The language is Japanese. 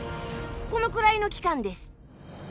このくらいの期間です。